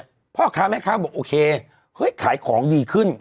แต่อาจจะส่งมาแต่อาจจะส่งมา